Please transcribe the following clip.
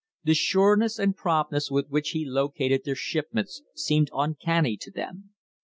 The sureness and promptness with which he located their shipments seemed uncanny to them.